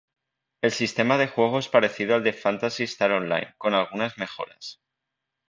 El sistema de juego es parecido al de "Phantasy Star Online" con algunas mejoras.